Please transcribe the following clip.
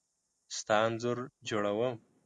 ستا انځور جوړوم .